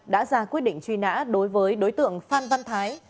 đã ra quyết định truy nã đối với đối tượng phan văn thái